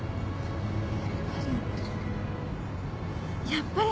やっぱり。